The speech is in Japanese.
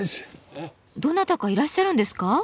どなたかいらっしゃるんですか？